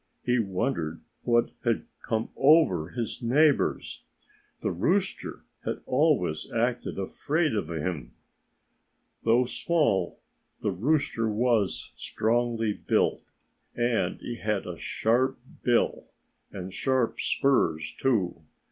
He wondered what had come over his neighbors. The rooster had always acted afraid of him. Though small, the rooster was strongly built. And he had a sharp bill and sharp spurs, too.